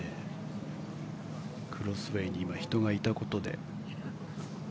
クロスウェーに今、人がいたことで。